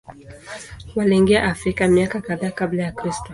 Waliingia Afrika miaka kadhaa Kabla ya Kristo.